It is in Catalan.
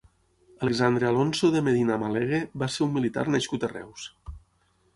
Alexandre Alonso de Medina Malegue va ser un militar nascut a Reus.